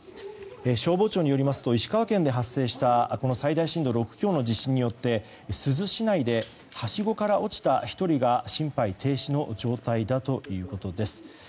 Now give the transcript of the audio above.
消防庁によりますと石川県で発生した最大震度６強の地震によって珠洲市内ではしごから落ちた１人が心肺停止の状態ということです。